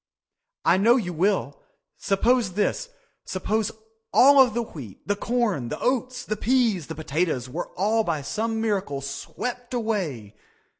I know you will. Suppose this—suppose all of the wheat, the corn, the oats, the peas, the potatoes, were all by some miracle swept away.